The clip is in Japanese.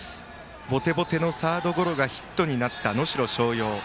ボテボテのサードゴロがヒットになった能代松陽。